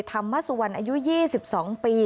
ธรรมสุวรรณอายุ๒๒ปี